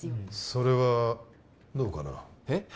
それはどうかなえっ？